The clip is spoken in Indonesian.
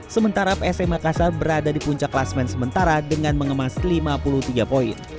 sementara psm makassar berada di puncak kelasmen sementara dengan mengemas lima puluh tiga poin